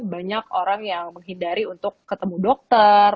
banyak orang yang menghindari untuk ketemu dokter